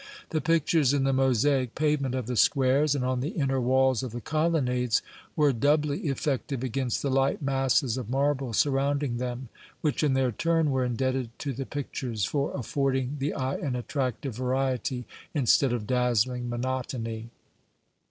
The pictures in the mosaic pavement of the squares, and on the inner walls of the colonnades, were doubly effective against the light masses of marble surrounding them, which in their turn were indebted to the pictures for affording the eye an attractive variety instead of dazzling monotony.